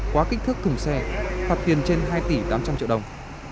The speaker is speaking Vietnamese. quá kích thước thùng xe phạt tiền trên hai tỷ tám trăm linh triệu đồng